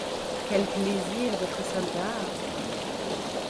Quel plaisir d'être soldat!